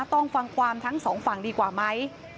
ต้องฟังความทั้งสองฝั่งดีกว่าไหม